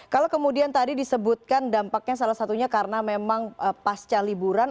kalau kemudian tadi disebutkan dampaknya salah satunya karena memang pasca liburan